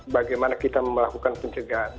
bagaimana kita melakukan pencegahan